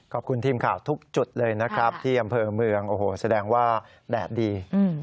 ขอบคุณทีมข่าวทุกจุดเลยนะครับที่อำเภอเมืองโอ้โหแสดงว่าแดดดี